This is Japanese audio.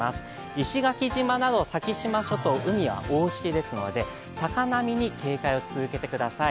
石垣島など先島諸島、海は大しけですので、高波に警戒を続けてください。